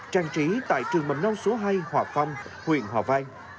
trang trí tại trường mầm non số hai hòa phong huyện hòa vang